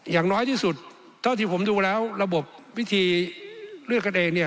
อย่างน้อยที่สุดเท่าที่ผมดูแล้วระบบวิธีเลือกกันเองเนี่ย